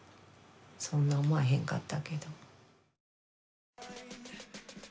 そんな思わへんかったけど。